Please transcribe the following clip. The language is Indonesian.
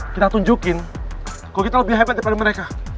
kita tunjukin kok kita lebih hebat daripada mereka